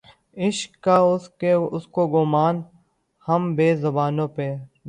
عشق کا‘ اس کو گماں‘ ہم بے زبانوں پر نہیں